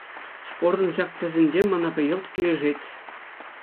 Спортӑн ҫак тӗсӗнче мана йӑлт килӗшет.